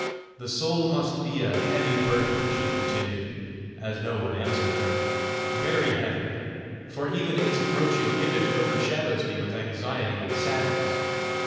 "The soul must be a heavy burden," she continued, as no one answered her, "very heavy! for even its approaching image overshadows me with anxiety and sadness.